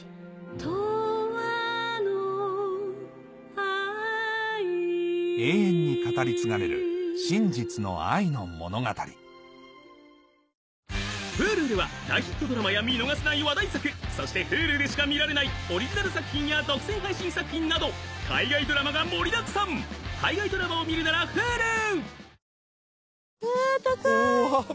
永遠の愛永遠に語り継がれる真実の愛の物語Ｈｕｌｕでは大ヒットドラマや見逃せない話題作そしてＨｕｌｕでしか見られないオリジナル作品や独占配信作品など海外ドラマが盛りだくさん海外ドラマを見るならＨｕｌｕ！